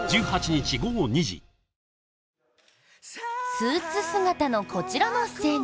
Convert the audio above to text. スーツ姿のこちらの青年。